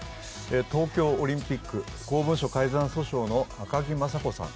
東京オリンピック、公文書改ざん訴訟の赤木雅子さん